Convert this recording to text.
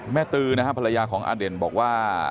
ตือนะครับภรรยาของอเด่นบอกว่า